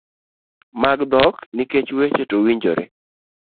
mag dhok nikech weche to winjore